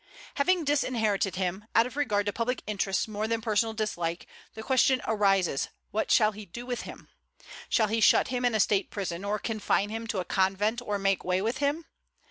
Having disinherited him, out of regard to public interests more than personal dislike, the question arises, what shall he do with him? Shall he shut him in a state prison, or confine him to a convent, or make way with him?